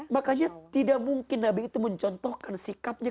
makanya tidak mungkin nabi itu mencontohkan sikapnya